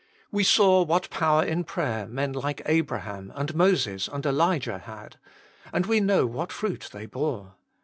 We saw what power in prayer men like Abraham and Moses and Elijah had, and we know what fruit they bore.